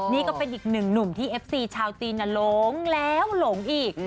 นี่ก็เป็นอีกหนึ่งหนุ่มที่เอฟซีชาวจีนหลงแล้วหลงอีก